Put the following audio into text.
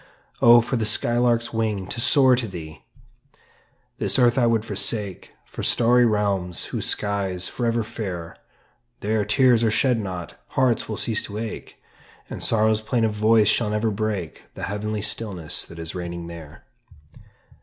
Oh, for the sky lark's wing to soar to thee! This earth I would forsake For starry realms whose sky's forever fair; There, tears are shed not, hearts will cease to ache, And sorrow's plaintive voice shall never break The heavenly stillness that is reigning there.